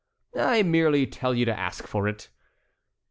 "I merely tell you to ask for it."